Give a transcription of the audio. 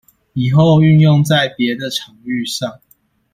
以後運用在別的場域上